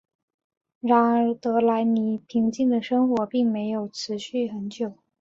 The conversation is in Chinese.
然而德莱尼平静的生活并没有持续很久。